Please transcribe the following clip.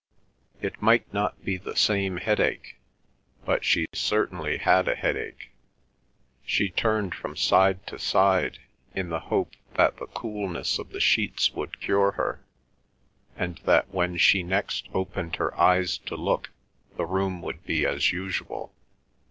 It might not be the same headache, but she certainly had a headache. She turned from side to side, in the hope that the coolness of the sheets would cure her, and that when she next opened her eyes to look the room would be as usual.